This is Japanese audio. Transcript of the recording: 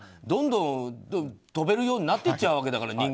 どんどん跳べるようになっていっちゃうわけだから。